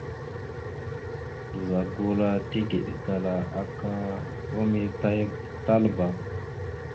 Ɓəza gula tigekala aka ram ya Talba.